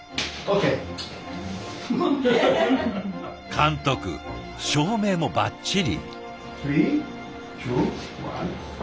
監督照明もバッチリ。